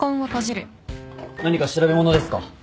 何か調べ物ですか？